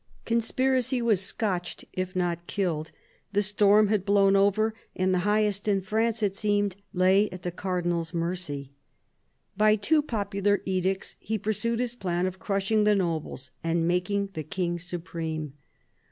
Conspiracy was scotched, if not killed ; the storm had blown over, and the highest in France, it seemed, lay at the Cardinal's mercy. By two popular edicts he pursued his plan of crushing the nobles and making the King supreme.